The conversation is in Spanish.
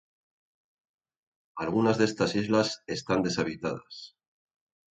Algunas de estas islas están deshabitadas.